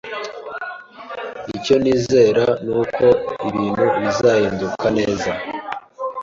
Icyo nizera nuko ibintu bizahinduka neza